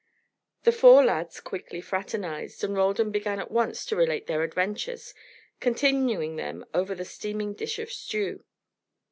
The four lads quickly fraternised, and Roldan began at once to relate their adventures, continuing them over the steaming dish of stew.